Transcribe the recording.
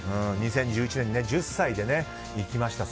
２０１１年に１０歳で行きました。